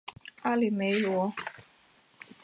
阿梅利娅罗德里格斯是巴西巴伊亚州的一个市镇。